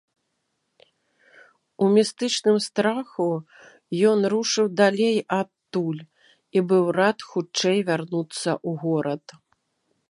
У містычным страху ён рушыў далей адтуль і быў рад хутчэй вярнуцца ў горад.